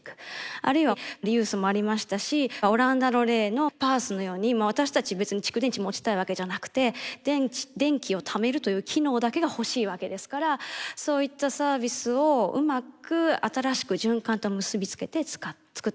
あるいはリユースもありましたしオランダの例のＰａａＳのように私たち別に蓄電池持ちたいわけじゃなくて電気をためるという機能だけが欲しいわけですからそういったサービスをうまく新しく循環と結び付けて作っていく。